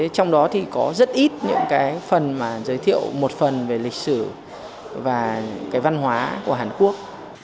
trong đó có rất ít những phần giới thiệu một phần về lịch sử và văn hóa của hàn quốc